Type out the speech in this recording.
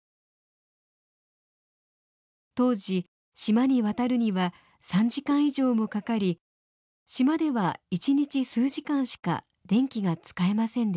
当時島に渡るには３時間以上もかかり島では一日数時間しか電気が使えませんでした。